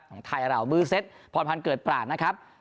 ของไทยเรามือเซ็ตพรพันธ์เกิดปราศนะครับ